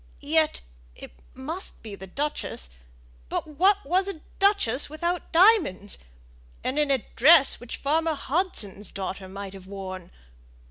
Yet it must be the duchess; but what was a duchess without diamonds? and in a dress which farmer Hudson's daughter might have worn!